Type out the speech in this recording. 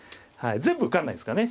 全部受かんないですからね。